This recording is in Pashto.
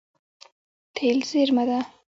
تېل زیرمه ده.